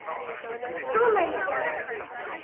どんな意味であるか？